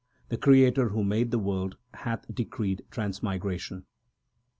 The Creator who made the world hath decreed trans migration.